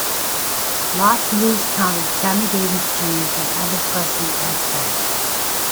Los Blues counted Sammy Davis, Junior and Elvis Presley as fans.